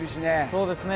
そうですね